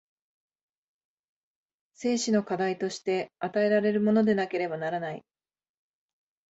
生死の課題として与えられるものでなければならない。